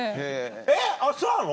えっあっそうなの？